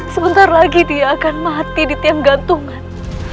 sebentar lagi dia akan mati di tiang gantungan